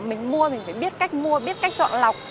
mình mua mình phải biết cách mua biết cách chọn lọc